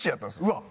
うわっ！